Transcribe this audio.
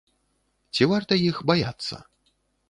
Ці варта іх баяцца?